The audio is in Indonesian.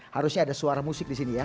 harusnya ada suara musik disini ya